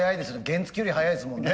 原付より速いですもんね。